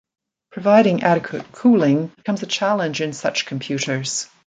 Providing adequate cooling becomes a challenge in such computers.